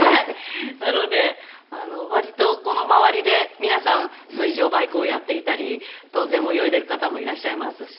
なので割とこの周りで皆さん水上バイクをやっていたり当然泳いでいる方もいらっしゃいますし。